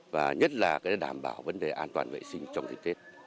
và nhất là cái đảm bảo vấn đề an toàn vệ sinh trong dịch tết